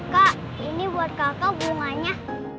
kak ini buat kakak bunganya